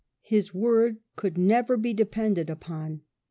His word could never be depended upon.